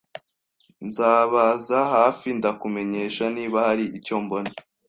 Nzabaza hafi ndakumenyesha niba hari icyo mbona